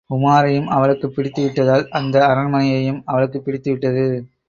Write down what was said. உமாரையும் அவளுக்குப் பிடித்து விட்டதால், அந்த அரண்மனையும் அவளுக்குப் பிடித்துவிட்டது.